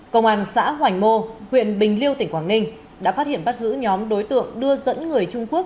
công an xã hoành mô huyện bình liêu tỉnh quảng ninh đã phát hiện bắt giữ nhóm đối tượng đưa dẫn người trung quốc